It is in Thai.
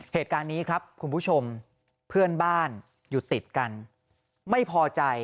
เหตุการณ์นี้ครับคุณผู้ชมเพื่อนบ้านอยู่ติดกันไม่พอใจ